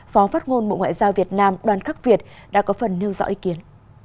phó phát ngôn bộ ngoại giao việt nam đoàn khắc việt đã có phần nêu dõi ý kiến